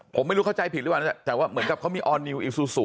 ผมไม่รู้เข้าใจผิดหรือเปล่าแต่ว่าเหมือนกับเขามีออร์นิวอีซูซู